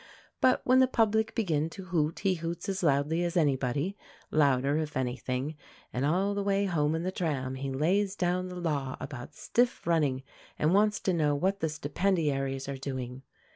But when the public begin to hoot he hoots as loudly as anybody louder if anything; and all the way home in the tram he lays down the law about stiff running, and wants to know what the stipendiaries are doing.